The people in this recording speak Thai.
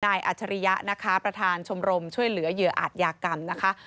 อัจฉริยะนะคะประธานชมรมช่วยเหลือเหยื่ออาจยากรรมนะคะ